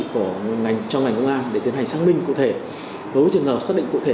trong ngành công an để tiến hành xác minh cụ thể với trường hợp xác định cụ thể